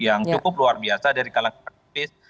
yang cukup luar biasa dari kalangan aktivis